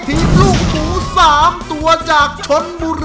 ลูกหมู๓ตัวจากชนบุรี